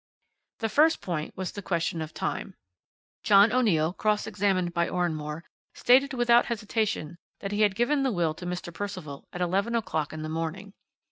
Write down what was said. "The first point was the question of time, John O'Neill, cross examined by Oranmore, stated without hesitation that he had given the will to Mr. Percival at eleven o'clock in the morning.